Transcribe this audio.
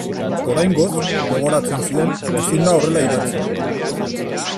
Oraingoz, gogoratzen zion, ezin da horrela idatzi.